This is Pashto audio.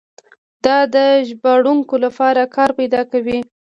دا د ژباړونکو لپاره کار پیدا کوي.